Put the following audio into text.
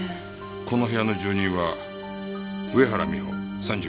この部屋の住人は上原美帆３５歳。